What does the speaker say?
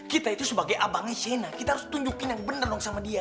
kita itu sebagai abangnya shena kita harus tunjukin yang bener dong sama dia